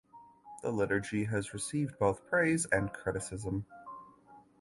The liturgy has received both praise and criticism.